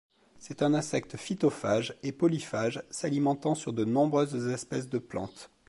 C'est un insecte phytophage et polyphage, s'alimentant sur de nombreuses espèces de plantes.